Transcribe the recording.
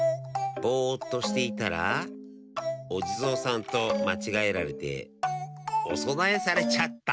ぼっとしていたらおじぞうさんとまちがえられておそなえされちゃった。